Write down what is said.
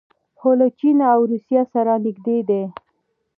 خو له چین او روسیې سره نږدې دي.